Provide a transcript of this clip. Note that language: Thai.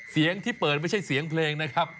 เสียงที่เปิดไม่ใช่เสียงเพลงนะครับ